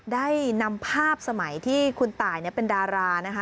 ได้นำภาพสมัยที่คุณตายเป็นดารานะคะ